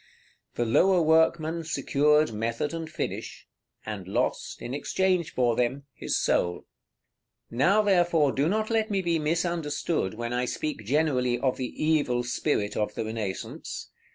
The lower workman secured method and finish, and lost, in exchange for them, his soul. § XXI. Now, therefore, do not let me be misunderstood when I speak generally of the evil spirit of the Renaissance.